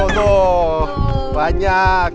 oh banyak guitar omnya tuh